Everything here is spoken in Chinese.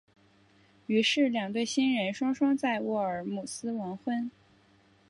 于是两对新人双双在沃尔姆斯完婚。